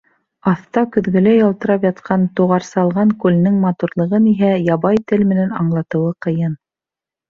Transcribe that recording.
Аҫта көҙгөләй ялтырап ятҡан Туғарсалған күленең матурлығын иһә ябай тел менән аңлатыуы ҡыйын.